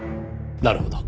なるほど。